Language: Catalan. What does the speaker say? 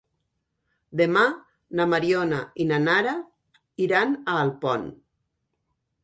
Demà na Mariona i na Nara iran a Alpont.